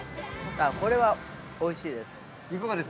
◆これは、おいしいです。